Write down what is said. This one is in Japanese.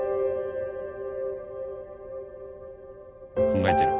考えてる。